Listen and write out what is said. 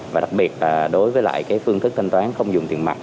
và đặc biệt đối với lại cái phương thức thanh toán không dùng tiền mặt